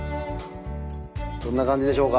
どんな感じでしょうか？